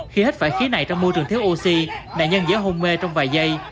khi hết phải khí này trong môi trường thiếu oxy nạn nhân dễ hôn mê trong vài giây